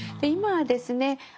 今はですね